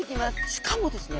しかもですね